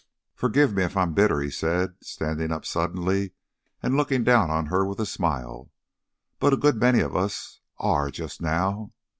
"Forgive me if I am bitter," he said, standing up suddenly and looking down on her with a smile, "but a good many of us are, just now.